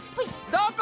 どこ？